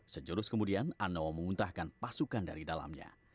sejurus kemudian anoa menguntahkan pasukan dari dalamnya